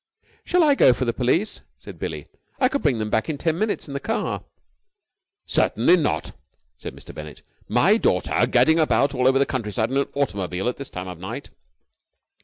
"Shall I go for the police?" said Billie. "I could bring them back in ten minutes in the car." "Certainly not!" said Mr. Bennett. "My daughter gadding about all over the countryside in an automobile at this time of night!"